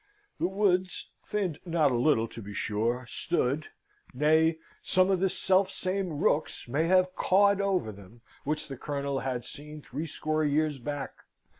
The woods (thinned not a little to be sure) stood, nay, some of the self same rooks may have cawed over them, which the Colonel had seen threescore years back.